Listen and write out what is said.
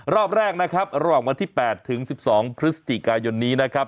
รอบแรกนะครับระหว่างวันที่๘ถึง๑๒พฤศจิกายนนี้นะครับ